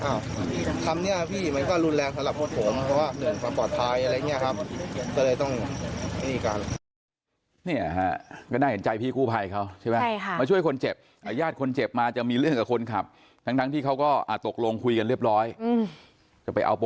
คำนี้พี่มันก็รุนแรงสำหรับพวกผมเพราะว่าเกิดความปลอดภัยอะไรอย่างนี้ครับ